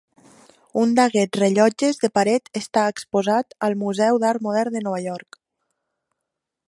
Un d'aquests rellotges de paret està exposat al Museu d'Art Modern de Nova York.